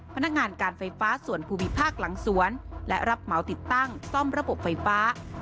พนักงานการไฟฟ้าส่วนภูมิภาคหลังสวนและรับเหมาติดตั้งซ่อมระบบไฟฟ้า